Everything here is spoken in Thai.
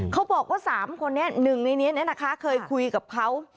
เขาบอกว่า๓คนนี้หนึ่งในนี้นะคะเคยคุยกับเขา